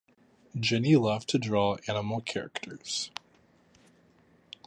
Jenny loved to draw animal characters.